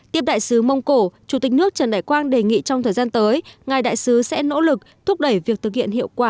tiếp đại sứ mông cổ chủ tịch nước trần đại quang đề nghị trong thời gian tới ngài đại sứ sẽ nỗ lực thúc đẩy việc thực hiện hiệu quả